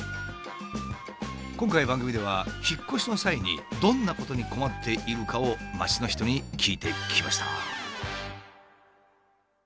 今回番組では引っ越しの際にどんなことに困っているかを街の人に聞いてきました。